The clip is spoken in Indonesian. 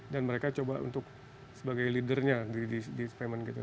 dan mereka coba untuk sebagai leadernya di payment gateway